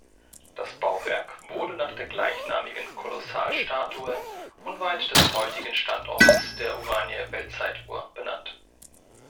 Das Bauwerk wurde nach der gleichnamigen Kolossalstatue unweit des heutigen Standortes der Urania-Weltzeituhr benannt.